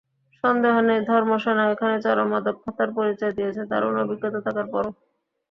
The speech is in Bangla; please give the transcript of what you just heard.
সন্দেহ নেই, ধর্মসেনা এখানে চরম অদক্ষতার পরিচয় দিয়েছেন, দারুণ অভিজ্ঞতা থাকার পরও।